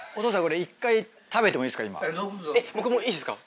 僕もいいですか？